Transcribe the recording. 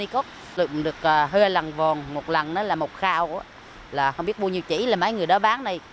có lượng được hai lần vòn một lần là một khao là không biết bao nhiêu chỉ là mấy người đó bán đây